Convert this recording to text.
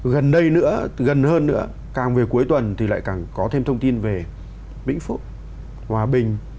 gần đây nữa gần hơn nữa càng về cuối tuần thì lại càng có thêm thông tin về vĩnh phúc hòa bình